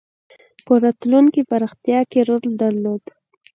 په راتلونکې پراختیا کې رول درلود.